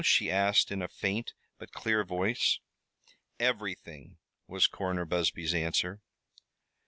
she asked, in a faint but clear voice. "Everything," was Coroner Busby's answer.